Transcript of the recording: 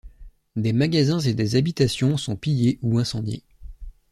Des magasins et des habitations sont pillées ou incendiées.